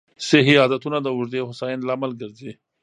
صحي عادتونه د اوږدې هوساینې لامل ګرځي.